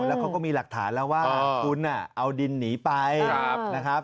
แล้วเขาก็มีหลักฐานแล้วว่าคุณเอาดินหนีไปนะครับ